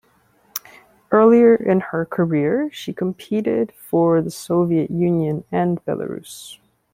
Earlier in her career, she competed for the Soviet Union and Belarus.